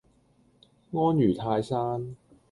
安如泰山